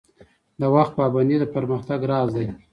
د وخت پابندي د پرمختګ راز دی